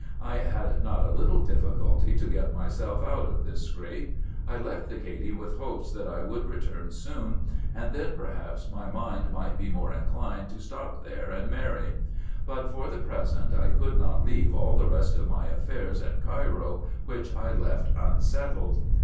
I had not a little difficulty to get myself out of this scrape : I left the Cady with hopes that I would return soon, and then, perhaps, my mind might be more inclined to stop there and marry ; but, for the present, I could not leave all the rest of my affairs at Cairo, which I left unsettled.